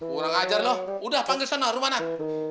kurang ajar lo udah panggil sana rumah nak